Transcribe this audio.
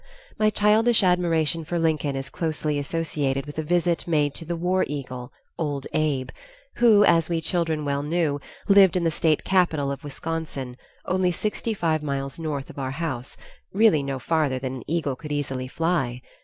My childish admiration for Lincoln is closely associated with a visit made to the war eagle, Old Abe, who, as we children well knew, lived in the state capital of Wisconsin, only sixty five miles north of our house, really no farther than an eagle could easily fly!